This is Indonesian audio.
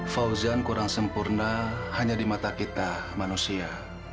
fauzan kurang sempurna hanya di mata kita manusia